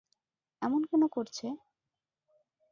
এমন কেন করছে?